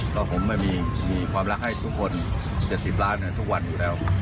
ก็ผมมีความรักให้ทุกคน๗๐ล้านทุกวันอยู่แล้ว